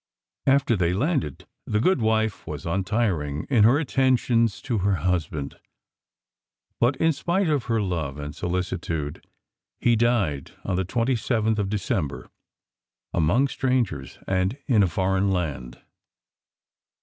After they landed the good wife was untiring in her attentions to her husband, but, in spite of her love and solicitude, he died on the 27th of December "among strangers and in a foreign land."